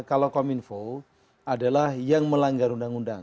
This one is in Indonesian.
kalau kominfo adalah yang melanggar undang undang